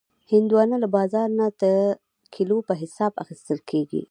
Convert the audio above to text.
هندوانه له بازار نه د کیلو په حساب اخیستل کېږي.